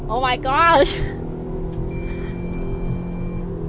โอมายก็อด